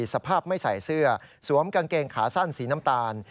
สภาพไม่ใส่เสื้อสวมกางเกงขาสั้นสีน้ำตาล